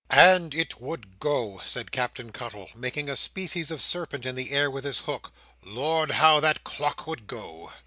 "And it would go!" said Captain Cuttle, making a species of serpent in the air with his hook. "Lord, how that clock would go!"